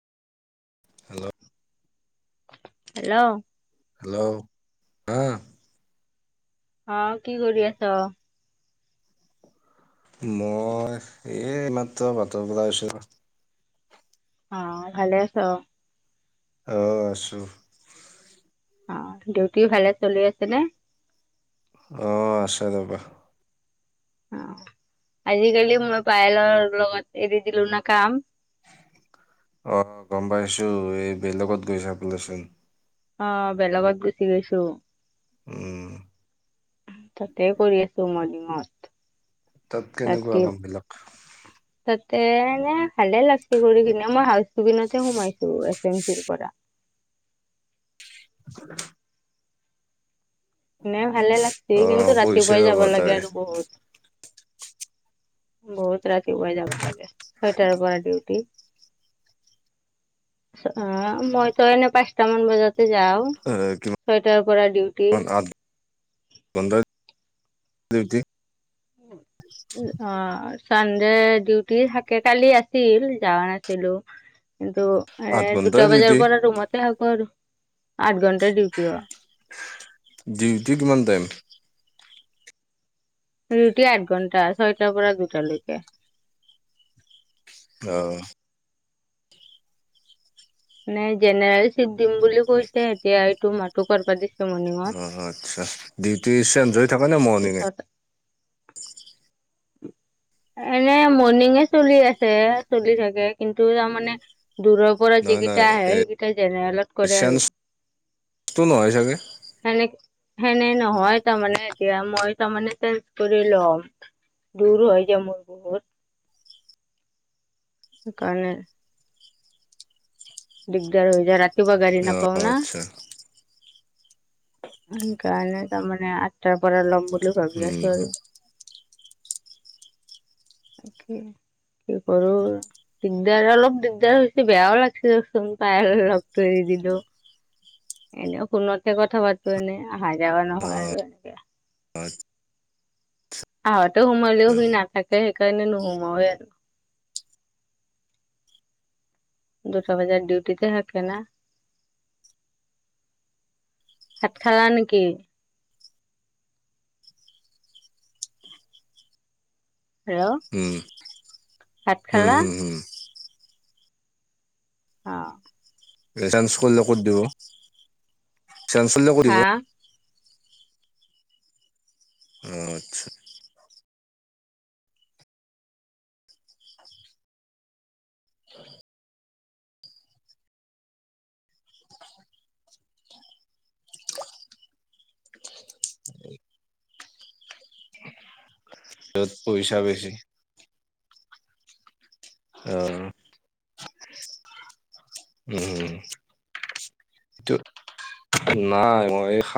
Hello. Hello. Hello অ'। অ', কি কৰি আছ? মই এই মাত্ৰ বাটৰ পৰা আহিছো ৰহ। অ', ভালে আছ? অ', আছো। অ', ডিউটিও ভালে চলি আছে নে? ় অ', আছে ৰ'বা। অ', আজিকালি মই পায়েলৰ লগত এৰি দিলো ন কাম। অ', গম পাইছো। এই বেলেগত গৈছা বোলে চোন। অ', বেলেগত গুচি গৈছো। উম। তাতে কৰি আছো মই ধিংত। তাত কেনেকুৱা কামবিলাক? তাতে এনে ভালে লাগছে কৰি কিনে, মই হাউচ টুকিংত হে সোমাইছো। ফেঞ্চিৰ পৰা। [unintelligible] নে ভালে লাগছে অ কিন্তু কৈছে ৰাতিপুৱাই ৰবা যাব তাই লাগে আৰু বহুত। বহুত ৰাতিপুৱাই যাব লাগে, ছয়টাৰ পৰা ডিউটি। অঁ' মইতো এনেই পাঁচটা মান বজাতে যাওঁ, এ কিমান ছয়টাৰ পৰা ডিউটি। বন্ধৰ [unintelligible] ডিউটি। উম। অঁ' চানডে ডিউটি থাকে, কালি আছিল যোৱা নাছিলো। কিন্তু আঠ এনে দুটা ঘন্টাই ডিউটি বজাৰ পৰা ৰুমতে থাকো আৰু আঠ ঘণ্টা ডিউটি। ডিউটি কিমান টাইম? ডিউটি আঠ ঘণ্টাৰ, ছয়টাৰ পৰা দুটালৈকে। অঁ। নে জেনেৰেল চিপ দিম বুলি কৈছে এতিয়া এইটো মাহটো কৰিব দি অঁ অঁ' আচ্ছা' ডিউটি [unintelligible] থাকা নে মৰ্ণিঙে? পিছত [inaudible] এনে মৰ্ণিঙে চলি আছে চলি থাকে কিন্তু তাৰমানে দূৰ পৰা নহয় যিকেইটা নহয় আহে এ সেইকেইটাই জেনেৰেলত কৰে আৰু। চেঞ্জটো নহয় চাগে সেনে সেনে নহয় তাৰমানে এতিয়া মই তাৰমানে চেন্স কৰি ল'ম। দূৰো হয় যে মোৰ বহুত। সেইকাৰণে। দিগদাৰ হৈ যায়, ৰাতিপুৱা গাড়ী অ নাপাও না। আচ্ছা সেইকাৰণে তাৰমানে আঠটাৰ পৰা ল'ম বুলি ভাবি উম আছোঁ আৰু। তাকেই কি কৰোঁ। দিগদাৰ অলপ দিগদাৰ হৈছে, বেয়াও লাগিছে দেচোন, পায় লগতো দিলো। এনেই ফোনতে কথা পাতো এনেই অহা যোৱা কৰা অ নহয় আৰু এনেকে। [unintelligible] আহোঁতেও আচ্ছা সোমালেও সি নাথাকে সেইকাৰণে নোসোমাওঁ এ আৰু। দুটা বজাত ডিউটিতে থাকে না। ভাত খালা নেকি? হেল্ল' উম ভাত উম, খালা? হুম, হুম অঁ। চেন্স কৰিলে কৰি দিব [unintelligible] কৰিলে কৰিব। হা অঁ, আচ্ছা'। য'ত পইচা বেছি। অঁ। উম। নাই মই